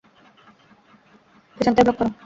পেছন থেকে ব্লক কর।